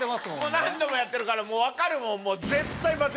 何度もやってるから分かるもん。